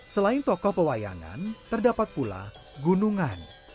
selain tokoh pewayangan terdapat pula gunungan